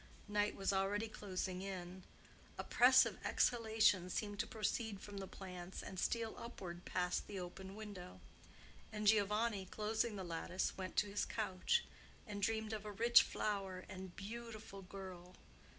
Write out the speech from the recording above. Night was already closing in; oppressive exhalations seemed to proceed from the plants and steal upward past the open window; and Giovanni, closing the lattice, went to his couch and dreamed of a rich flower and beautiful girl.